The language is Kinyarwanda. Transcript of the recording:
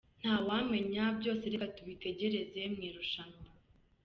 Ntawamenya, byose reka tubitegereze mu irushanwa.